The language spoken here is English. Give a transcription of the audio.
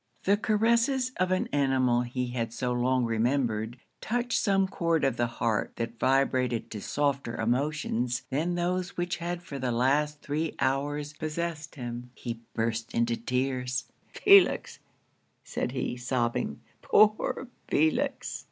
The caresses of an animal he had so long remembered, touched some chord of the heart that vibrated to softer emotions than those which had for the last three hours possessed him he burst into tears. 'Felix!' said he, sobbing, 'poor Felix!'